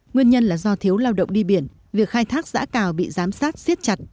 nguyên nhân là do thiếu lao động đi biển việc khai thác giã cào bị giám sát xiết chặt